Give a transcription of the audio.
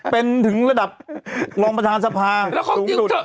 เป็นถึงระดับรองประหารสภาสูงศุดแล้วใครกิน